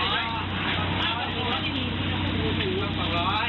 กว่าให้เดี๋ยวใช่ไงต้องเก็บหน้าที่นึก